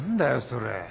それ。